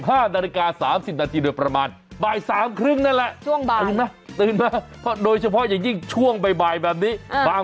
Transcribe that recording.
มากัดการให้สมัติกับเราสองคนในคู่กัดสมัติข้าว